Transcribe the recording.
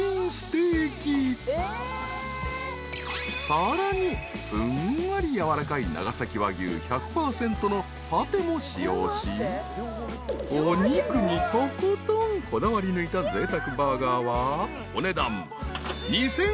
［さらにふんわりやわらかい長崎和牛１００％のパテも使用しお肉にとことんこだわり抜いたぜいたくバーガーはお値段］